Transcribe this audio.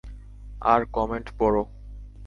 আর comment পড়ো।